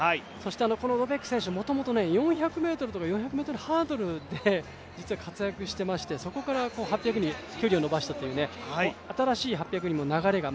このドベク選手、もともと４００ｍとか４００ｍハードルで実は活躍していまして、そこから８００に距離を延ばしたという新しい８００にも流れが。